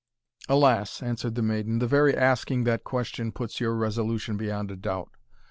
"Alas!" answered the maiden, "the very asking that question puts your resolution beyond a doubt.